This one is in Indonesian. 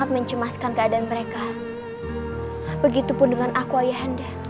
aku sangat bersungguh sungguh